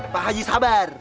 pak haji sabar